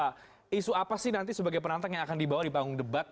nah isu apa sih nanti sebagai penantang yang akan dibawa di panggung debat